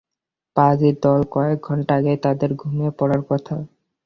পাজির দল কয়েক ঘন্টা আগেই তোদের ঘুমিয়ে পড়ার কথা।